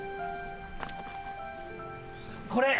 これ。